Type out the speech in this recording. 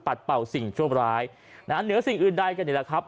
เป่าสิ่งชั่วร้ายนะฮะเหนือสิ่งอื่นใดกันนี่แหละครับ